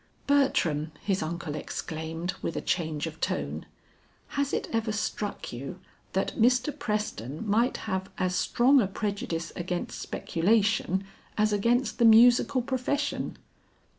"Bertram," his uncle exclaimed with a change of tone, "has it ever struck you that Mr. Preston might have as strong a prejudice against speculation as against the musical profession?"